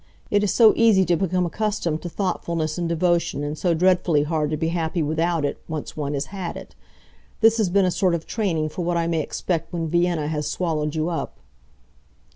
It is so easy to become accustomed to thoughtfulness and devotion, and so dreadfully hard to be happy without it, once one has had it. This has been a sort of training for what I may expect when Vienna has swallowed you up."